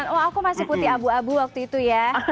oh aku masih putih abu abu waktu itu ya